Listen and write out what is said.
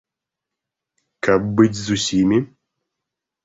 Каб быць з усімі?